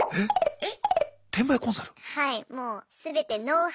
えっ！